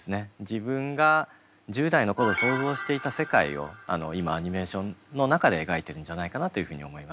自分が１０代の頃想像していた世界を今アニメーションの中で描いてるんじゃないかなというふうに思います。